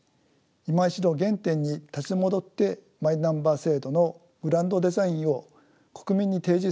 いま一度原点に立ち戻ってマイナンバー制度のグランドデザインを国民に提示すべきではないでしょうか。